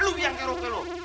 lo biang keroke lo